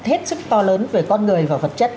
hết sức to lớn về con người và vật chất